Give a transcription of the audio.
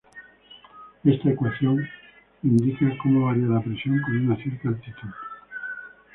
Esta ecuación indica como varía la presión con una cierta altitud.